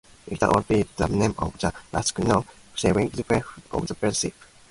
"Vicar of Bray" is the name of the last-known surviving Whitehaven wooden-built ship.